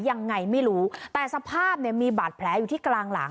ยังไงไม่รู้แต่สภาพเนี่ยมีบาดแผลอยู่ที่กลางหลัง